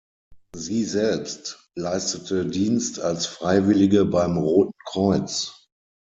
Sie selbst leistete Dienst als Freiwillige beim Roten Kreuz.